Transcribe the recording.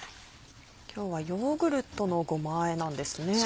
今日はヨーグルトのごまあえなんですね。